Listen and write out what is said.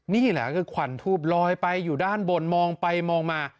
นี่แหละคือขวัญทูบลอยไปอยู่ด้านบนมองไปมองมา